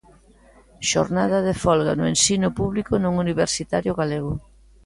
Xornada de folga no ensino público non universitario galego.